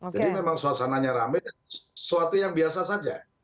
jadi memang suasananya ramai dan sesuatu yang biasa saja